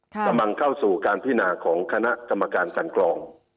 กำลังเข้าสู่การพินาของคณะกรรมการกันกรอง